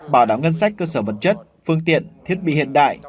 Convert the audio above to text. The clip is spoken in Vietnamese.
bảo đảm ngân sách cơ sở vật chất phương tiện thiết bị hiện đại